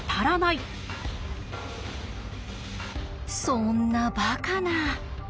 そんなバカな。